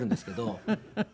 フフフフ。